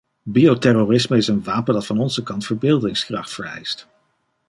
Bioterrorisme is een wapen dat van onze kant verbeeldingskracht vereist.